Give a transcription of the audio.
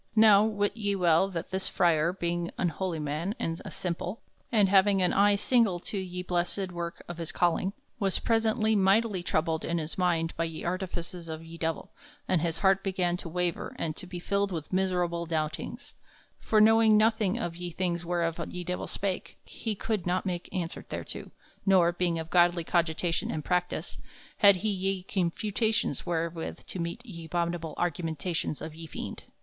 Now wit ye well that this frere, being an holy man and a simple, and having an eye single to ye blessed works of his calling, was presently mightily troubled in his mind by ye artifices of ye Divell, and his harte began to waver and to be filled with miserable doubtings; for knowing nothing of ye things whereof ye Divell spake, he colde not make answer thereto, nor, being of godly cogitation and practice, had he ye confutations wherewith to meet ye abhominable argumentations of ye fiend.